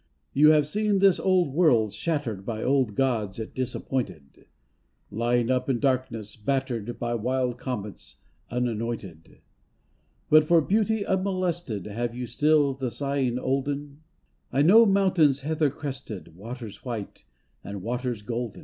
You have seen this old world shattered By old gods it disappointed, Lying up in darkness, battered By wild comets, unanointed. But for Beauty unmolested Have you still the sighing olden? I know mountains healther crested, Waters white, and waters golden.